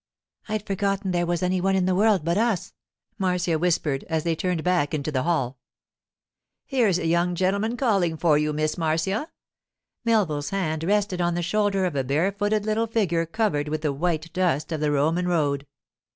'I'd forgotten there was any one in the world but us,' Marcia whispered as they turned back into the hall. 'Here's a young gentleman calling for you, Miss Marcia.' Melville's hand rested on the shoulder of a barefooted little figure covered with the white dust of the Roman road.